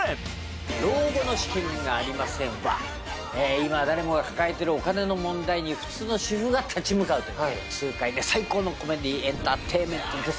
今、誰もが抱えているお金の問題に普通の主婦が立ち向かう痛快で最高のコメディーエンターテインメントです。